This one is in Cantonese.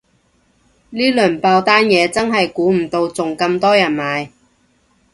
呢輪爆單嘢真係估唔到仲咁多人買